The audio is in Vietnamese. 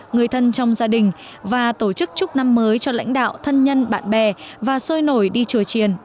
người thân trong gia đình và tổ chức chúc năm mới cho lãnh đạo thân nhân bạn bè và sôi nổi đi chùa triền